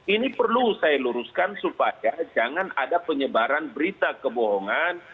ini perlu saya luruskan supaya jangan ada penyebaran berita kebohongan